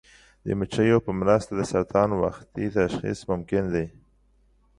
د مچیو په مرسته د سرطان وختي تشخیص ممکن دی.